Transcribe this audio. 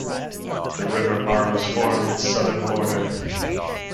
The river Maros formed its southern border.